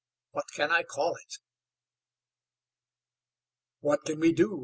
What can I call it!" "What can we do?"